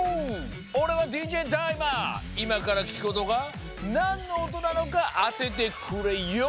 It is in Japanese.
おれはＤＪいまからきくおとがなんのおとなのかあててくれＹＯ。